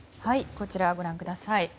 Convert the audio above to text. こちらをご覧ください。